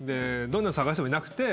どんなに捜してもいなくて。